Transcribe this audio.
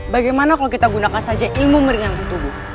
bagaimana kalau kita gunakan saja ilmu meringankan tubuh